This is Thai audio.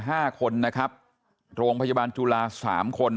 ห้าคนนะครับโรงพยาบาลจุฬาสามคน